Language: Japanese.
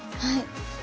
はい。